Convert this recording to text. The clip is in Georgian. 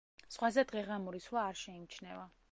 ზღვაზე დღეღამური სვლა არ შეიმჩნევა.